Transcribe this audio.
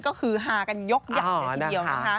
ก็คือฮากันยกอย่างเดียวนะคะ